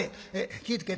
気ぃ付けて」。